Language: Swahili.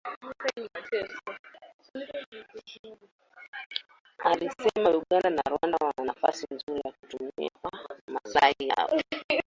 alisema Uganda na Rwanda wana nafasi nzuri ya kutumia kwa maslahi yao